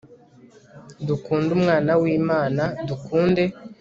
dukunde umwana w'imana, dukunde